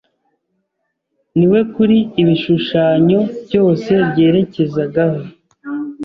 ni we kuri ibishushanyo byose byerekezagaho.